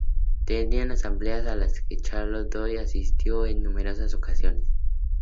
Tenían asambleas a las que Charlotte Corday asistió en numerosas ocasiones.